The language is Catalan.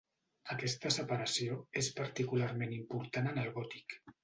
Aquesta separació és particularment important en el gòtic.